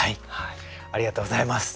ありがとうございます。